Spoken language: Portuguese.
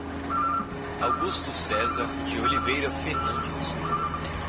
Augusto Cesar de Oliveira Fernandes